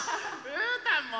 うーたんも？